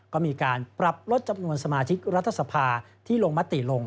ก็มีการปรับลดจำนวนสมาชิกรัฐสภาที่ลงมติลง